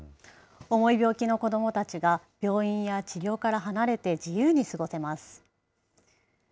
重い病気の子どもたちが病院や治療から離れて自由に過ごせます。